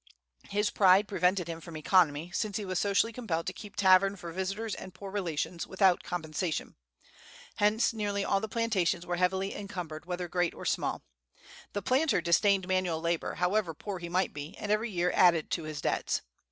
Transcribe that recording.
His pride prevented him from economy, since he was socially compelled to keep tavern for visitors and poor relations, without compensation. Hence, nearly all the plantations were heavily encumbered, whether great or small. The planter disdained manual labor, however poor he might be, and every year added to his debts.